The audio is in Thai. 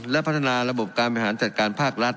และพัฒนาระบบการบริหารจัดการภาครัฐ